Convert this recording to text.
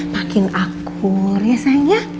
makin akur ya sayang ya